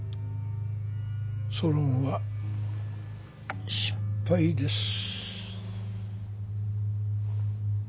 ソロンは失敗です。